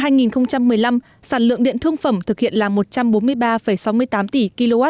theo báo cáo năm hai nghìn một mươi năm sản lượng điện thương phẩm thực hiện là một trăm bốn mươi ba sáu mươi tám tỷ kwh